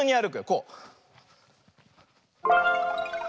こう。